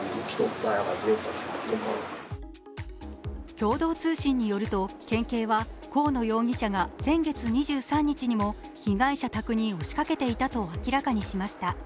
共同通信によると県警は、河野容疑者が先月２３日にも被害者宅に押しかけていたと明らかにしました。